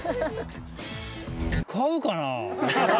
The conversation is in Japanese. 買うかな？